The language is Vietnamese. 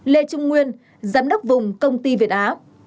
lê trung nguyên giám đốc vùng công ty việt á